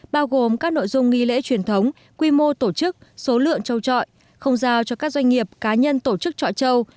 bao gồm các nội dung nghi lễ truyền thống quy mô tổ chức số lượng trọ chọi không giao cho các doanh nghiệp cá nhân tổ chức trọ châu